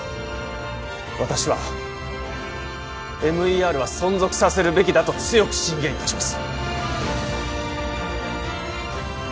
私はＭＥＲは存続させるべきだと強く進言いたします！